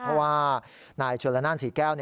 เพราะว่านายชวนละนั่นสี่แก้ว